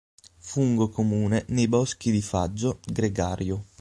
Fungo comune nei boschi di faggio, gregario.